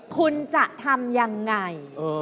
คุณจะทำยังไง